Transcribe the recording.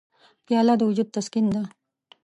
پیاله د وجود تسکین ده.